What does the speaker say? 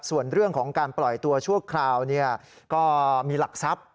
ส่วนเรื่องของการปล่อยตัวชั่วคราวก็มีหลักทรัพย์